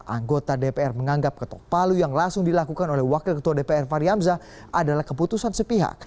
anggota dpr menganggap ketopalu yang langsung dilakukan oleh wakil ketua dpr faryamzah adalah keputusan sepihak